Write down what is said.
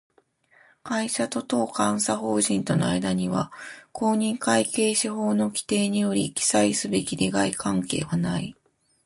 会社と当監査法人との間には、公認会計士法の規定により記載すべき利害関係はない